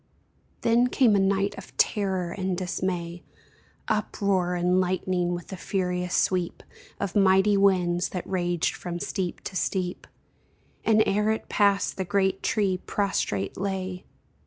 Then came a night of terror and dismay, Uproar and lightning, with the furious sweep Of mighty winds, that raged from steep to steep, And ere it passed the great tree prostrate lay